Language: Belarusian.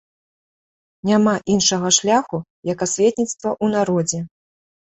Няма іншага шляху, як асветніцтва ў народзе.